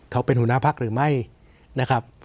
เขาเป็นหุนาภักดิ์หรือไม่นะครับ